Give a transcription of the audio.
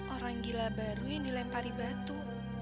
orang gila baru yang dilempari batu